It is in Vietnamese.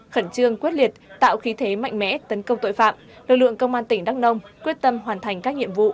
khẩn trương quyết liệt tạo khí thế mạnh mẽ tấn công tội phạm lực lượng công an tỉnh đắk nông quyết tâm hoàn thành các nhiệm vụ